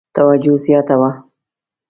توجه زیاته وه.